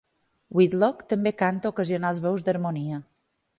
Whitlock també canta ocasionals veus d'harmonia.